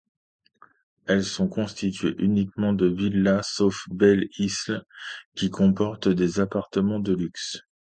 Elles sont constituées uniquement de villas, sauf Belle-Isle qui comporte des appartements de luxe.